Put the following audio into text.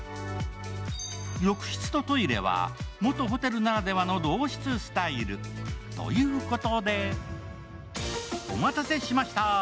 浴室とトイレは元ホテルならではの同室スタイル、ということでお待たせしました、